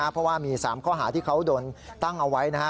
เพราะว่ามี๓ข้อหาที่เขาโดนตั้งเอาไว้